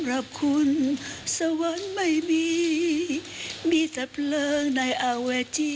เร็ว